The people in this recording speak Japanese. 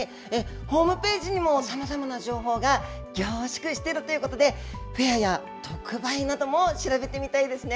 ホームページにもさまざまな情報が凝縮しているということで、フェアや特売なども調べてみたいで